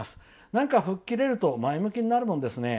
何か吹っ切れると前向きになるものですね。